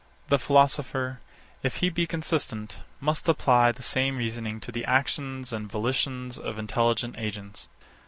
68. The philosopher, if he be consistent, must apply the same reasoning to the actions and volitions of intelligent agents.